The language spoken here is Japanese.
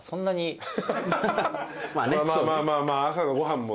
まあまあまあまあまあ朝のご飯もね。